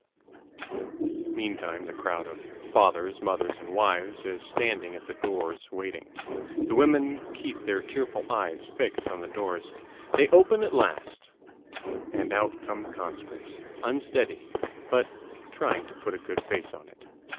Meantime the crowd of fathers, mothers, and wives is standing at the doors waiting. The women keep their tearful eyes fixed on the doors. They open at last, and out come the conscripts, unsteady, but trying to put a good face on it.